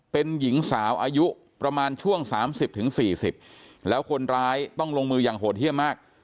เป็นหญิงสาวอายุประมาณช่วง๓๐๔๐แล้วคนร้ายต้องลงมืออย่างโหดเยี่ยมมาก